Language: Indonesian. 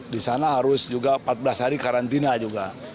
di sana harus juga empat belas hari karantina juga